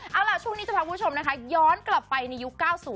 เอาล่ะช่วงนี้จะพาคุณผู้ชมนะคะย้อนกลับไปในยุค๙๐